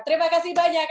terima kasih banyak